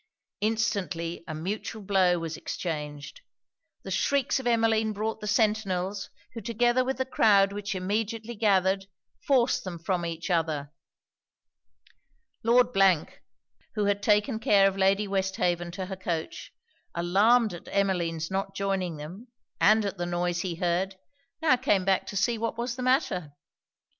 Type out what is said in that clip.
Instantly a mutual blow was exchanged: the shrieks of Emmeline brought the sentinels; who, together with the croud which immediately gathered, forced them from each other. Lord who had taken care of Lady Westhaven to her coach, alarmed at Emmeline's not joining them, and at the noise he heard, now came back to see what was the matter.